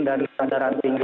dan kebenaran tinggi